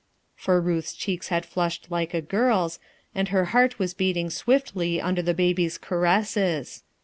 For Ruth's checks had flushed like a girl's, and her heart was beating swiftly under the baby's caresses.